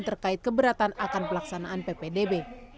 terkait keberatan akan pelaksanaan ppdb